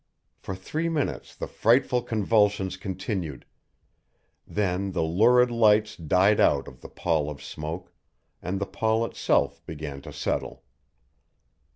For three minutes the frightful convulsions continued. Then the lurid lights died out of the pall of smoke, and the pall itself began to settle.